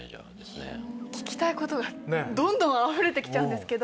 聞きたいことがどんどんあふれてきちゃうんですけど。